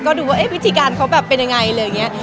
ก็ดูว่าวิธีการเขาเป็นอย่างไร